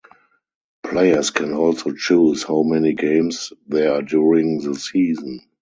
Players can also choose how many games there are during the season.